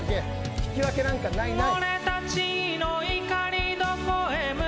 引き分けなんか、ないない。